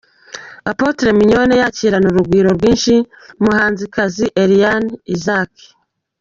Apotre Mignonne yakirana urugwiro rwinshi umuhanuzikazi Eliane Isaac.